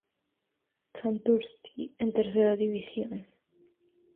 Santurtzi, en Tercera División.